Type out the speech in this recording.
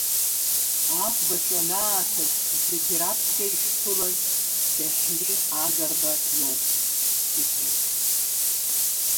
Аӷба шәанааҭыҵ зегьраԥхьа ишәԥылаз Феҳми Агрба иоуп, – иҳәеит.